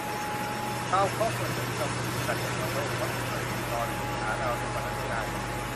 ดาวเคราะห์ส่วนใหญ่ที่เราพบ มีขนาดใหญ่กว่าโลก เพราะเทคโนโลยีตอนนี้หาดาวเล็กกว่านั้นไม่ได้